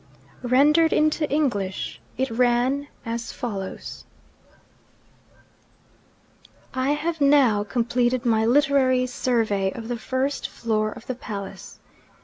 Rendered into English, it ran as follows: I have now completed my literary survey of the first floor of the palace.